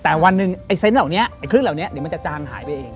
แต่วันหนึ่งไอ้เซนต์เหล่านี้ไอ้เครื่องเหล่านี้เดี๋ยวมันจะจางหายไปเอง